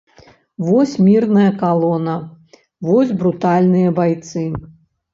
Вось мірная калона, вось брутальныя байцы.